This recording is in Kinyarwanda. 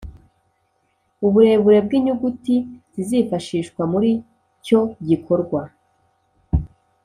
Uburebure bw’ inyuguti zizifashishwa muri cyo gikorwa